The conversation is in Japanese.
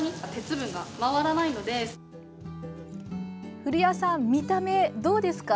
古谷さん見た目、どうですか？